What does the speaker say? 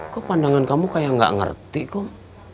kok pandangan kamu kayak nggak ngerti kum